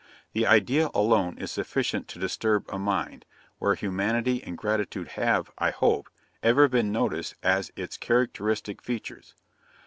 The idea alone is sufficient to disturb a mind, where humanity and gratitude have, I hope, ever been noticed as its characteristic features.'